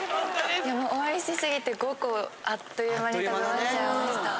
おいしすぎて５個あっという間に食べ終わっちゃいました。